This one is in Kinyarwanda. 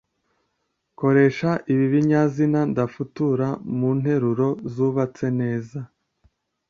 Koresha ibi binyazina ndafutura mu nteruro zubatse neza.